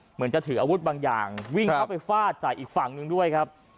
เหมือนจะถืออาวุธบางอย่างวิ่งเข้าไปฟาดใส่อีกฝั่งหนึ่งด้วยครับ